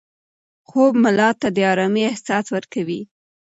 خوب ملا ته د ارامۍ احساس ورکوي.